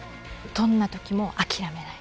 どんな時も諦めない。